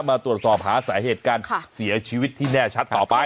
มาตรวจสอบหาสาเหตุการเสียชีวิตที่แน่ชัดต่อไป